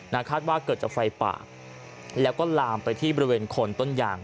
คาดว่าเกิดจากไฟป่าแล้วก็ลามไปที่บริเวณคนต้นยาง